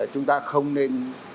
chúng ta không nên